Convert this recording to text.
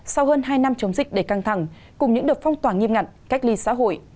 sau hơn hai năm chống dịch để căng thẳng cùng những đợt phong tỏa nghiêm ngặt cách ly xã hội